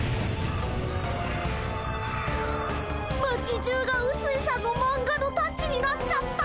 町じゅうがうすいさんのマンガのタッチになっちゃった。